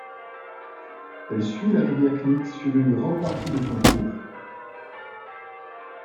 Elle suit la rivière Knik sur une grande partie de son cours.